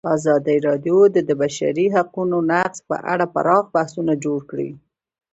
ازادي راډیو د د بشري حقونو نقض په اړه پراخ بحثونه جوړ کړي.